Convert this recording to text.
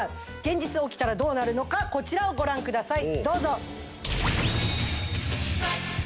現実に起きたらどうなるのかこちらをご覧くださいどうぞ。